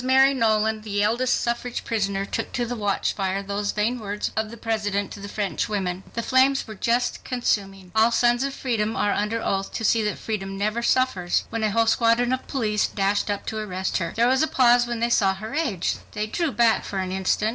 Mary Nolan, the eldest suffrage prisoner, took to the watchfire those vain words of the President to the French women. The flames were just consuming—"All sons of freedom are under oath to see that freedom never suffers," when a whole squadron of police dashed up to arrest her. There was a pause when they saw her age. They drew back for an instant.